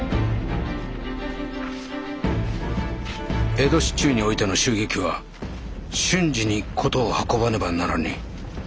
江戸市中においての襲撃は瞬時に事を運ばねばならねえ。